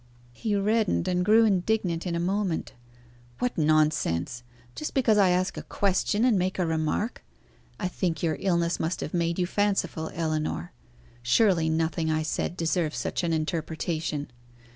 He reddened and grew indignant in a moment. "What nonsense! Just because I ask a question and make a remark! I think your illness must have made you fanciful, Ellinor. Surely nothing I said deserves such an interpretation.